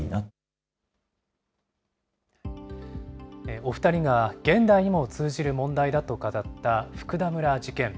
お２人が現代にも通じる問題だと語った福田村事件。